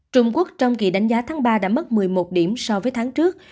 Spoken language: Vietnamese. trung quốc trong kỳ đánh giá tháng ba đã mất một mươi một điểm so với tháng trước